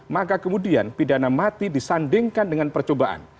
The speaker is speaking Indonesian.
maka kemudian pidana mati disandingkan dengan percobaan